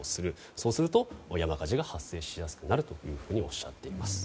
そうすると山火事が発生しやすくなるというふうにおっしゃっています。